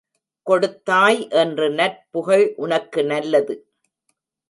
கொடுத்தாய் என்று நற்புகழ் உனக்கு நல்லது.